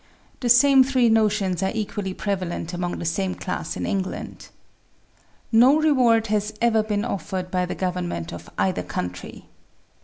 The same three notions are equally prevalent among the same class in England. No reward has ever been offered by the government of either country.